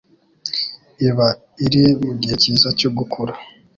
iba iri mu gihe cyiza cyo gukura.